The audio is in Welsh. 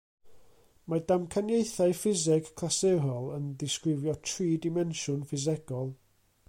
Mae damcaniaethau ffiseg clasurol yn disgrifio tri dimensiwn ffisegol.